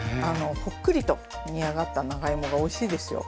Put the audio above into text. ほっくりと煮上がった長芋がおいしいですよ。